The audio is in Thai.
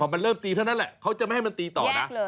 มันเริ่มตีเท่านั้นแหละเขาจะไม่ให้มันตีต่อนะ